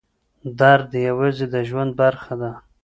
درد یوازې د ژوند برخه ده.